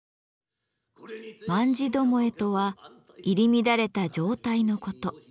「卍巴」とは入り乱れた状態のこと。